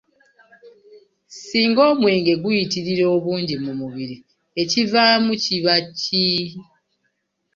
"Singa omwenge guyitirira obungi mu mubiri, ekivaamu kiba ki?"